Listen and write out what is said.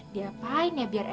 diapain ya biar enak